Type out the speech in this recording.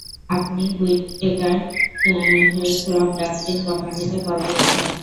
আপনি Whitaker crop dusting কোম্পানিতে call দিয়েছেন।